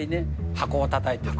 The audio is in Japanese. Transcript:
箱をたたいてる。